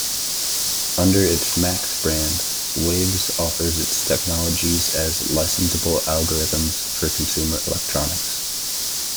Under its Maxx brand, Waves offers its technologies as licensable algorithms for consumer electronics.